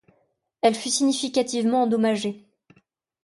Elle fut significativement endommagée.